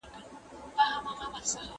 خلګ تابع پاته سول.